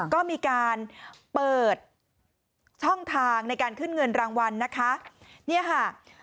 ก็มีการเปิดช่องทางในการขึ้นเงินรางวัลนะคะเนี่ยค่ะ